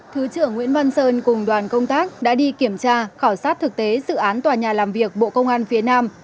thứ trưởng nguyễn văn sơn cùng đoàn công tác đã đi kiểm tra khảo sát thực tế dự án tòa nhà làm việc bộ công an phía nam